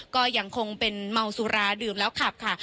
ก็ยังคงเป็นเมาสุราดื่มแล้วขับค่ะ